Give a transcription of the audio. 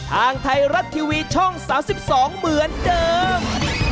ทางไทยรัฐทีวีช่อง๓๒เหมือนเดิม